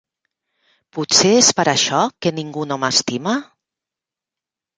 Potser és per això, que ningú no m'estima?